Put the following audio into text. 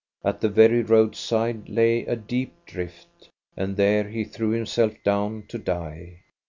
At the very roadside lay a deep drift, and there he threw himself down to die.